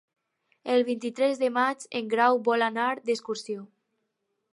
El vint-i-tres de maig en Grau vol anar d'excursió.